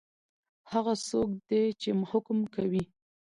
هغه څوک دی چی حکم کوي؟